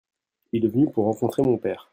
Il est venu pour rencontrer mon père.